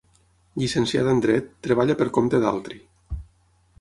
Llicenciada en Dret, treballa per compte d'altri.